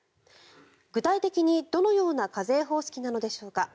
具体的に、どのような課税方式なのでしょうか。